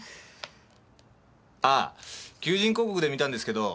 あぁ求人広告で見たんですけど。